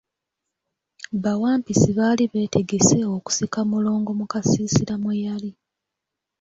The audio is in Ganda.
Bawampisi baali beetegese okusika Mulongo mu kasiisira mwe yali.